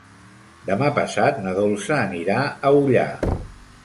Demà passat na Dolça anirà a Ullà.